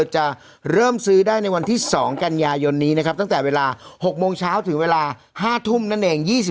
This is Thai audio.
จะเริ่มซื้อได้ในวันที่๒กันยายนนี้นะครับตั้งแต่เวลา๖โมงเช้าถึงเวลา๕ทุ่มนั่นเอง